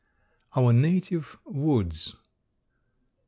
ED. OUR NATIVE WOODS.